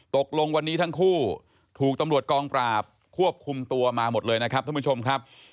ตกลงวันนี้ทั้งคู่ถูกตำรวจกองปราบควบคุมตัวมาหมดเลยนะครับท่านผู้ชมครับ